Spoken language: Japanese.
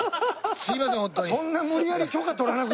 すいませんホント。